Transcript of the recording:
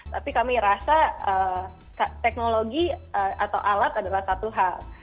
tapi kami rasa teknologi atau alat adalah satu hal